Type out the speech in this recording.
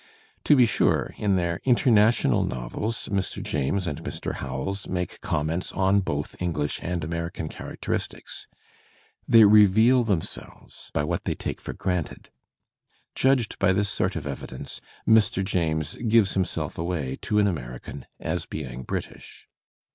To be sure, in their "inter national'' novels Mr. James and Mr. Howells make com ments on both English and American characteristics. They reveal themselves by what they take for granted. Judged by this sort of evidence, Mr. James "gives himself away" to an American as being British.